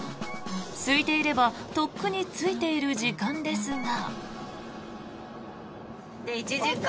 すいていればとっくに着いている時間ですが。